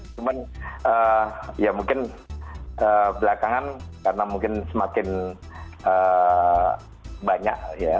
cuman ya mungkin belakangan karena mungkin semakin banyak ya